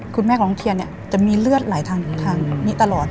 คุณแม่ของน้องเทียนเนี่ยจะมีเลือดไหลทางนี้ตลอด